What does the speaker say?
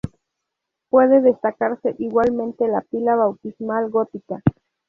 Puede destacarse igualmente la Pila bautismal gótica.